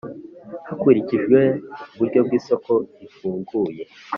Hakurikijwe uburyo bw isoko rifunguye